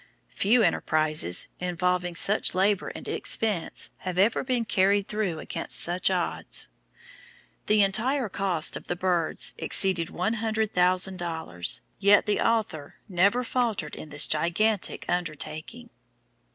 Few enterprises, involving such labour and expense, have ever been carried through against such odds. The entire cost of the "Birds" exceeded one hundred thousand dollars, yet the author never faltered in this gigantic undertaking.